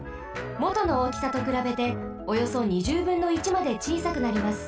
もとのおおきさとくらべておよそ２０ぶんの１までちいさくなります。